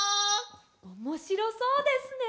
おもしろそうですね！